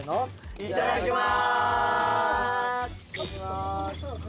いただきまーす！